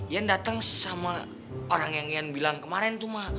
yang dateng sama orang yang ian bilang kemarin tuh mak